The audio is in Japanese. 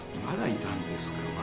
まだいたんですか